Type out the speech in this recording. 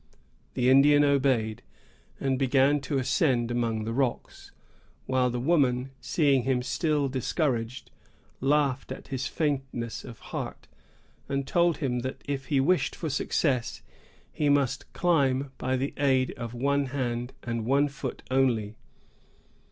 The Indian obeyed, and again began to ascend among the rocks, while the woman, seeing him still discouraged, laughed at his faintness of heart, and told him that, if he wished for success, he must climb by the aid of one hand and one foot only.